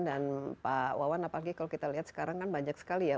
dan pak wawan apalagi kalau kita lihat sekarang kan banyak sekali ya